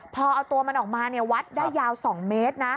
พอเอาตัวมันออกมาวัดได้ยาว๒เมตรนะ